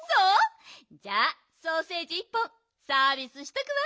じゃあソーセージ１本サービスしとくわ。